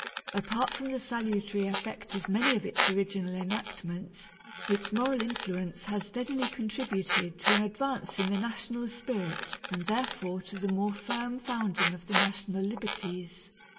Apart from the salutary effect of many of its original enactments, its moral influence has steadily contributed to an advance in the national spirit and therefore to the more firm founding of the national liberties.